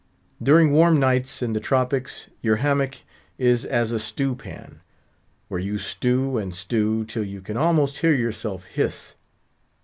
During warm nights in the Tropics, your hammock is as a stew pan; where you stew and stew, till you can almost hear yourself hiss.